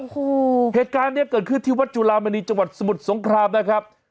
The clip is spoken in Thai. โอ้โหเหตุการณ์เนี้ยเกิดขึ้นที่วัดจุลามณีจังหวัดสมุทรสงครามนะครับ